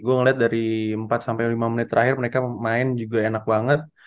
gue ngeliat dari empat sampai lima menit terakhir mereka main juga enak banget